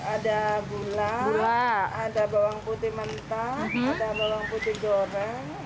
ada gula ada bawang putih mentah ada bawang putih goreng